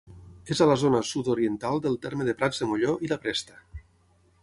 És a la zona sud-oriental del terme de Prats de Molló i la Presta.